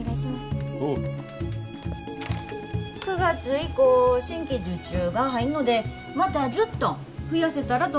９月以降新規受注が入んのでまた１０トン増やせたらと思てるんです。